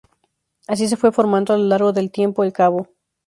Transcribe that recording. Así se fue formando a lo largo del tiempo el cabo.